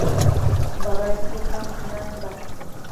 بە ڕای تۆ کام پلان باشترە؟